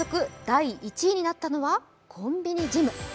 第１位になったのは、コンビニジム。